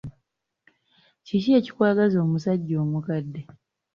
Kiki ekikwagaza omusajja omukadde?